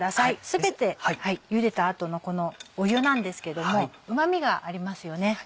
全てゆでた後の湯なんですけどもうまみがありますよね。